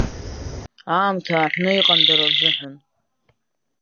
Аамҭа ааҳәны иҟан дара рзыҳәан…